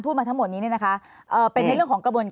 ภารกิจสรรค์ภารกิจสรรค์